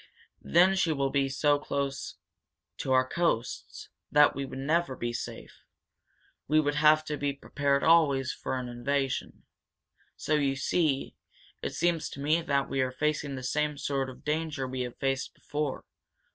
Then she would be so close to our coasts that we would never be safe. We would have to be prepared always for invasion. So, you see, it seems to me that we are facing the same sort of danger we have faced before.